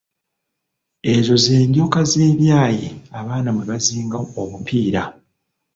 Ezo ze njoka z'ebyayi abaana mwe bazinga obupiira.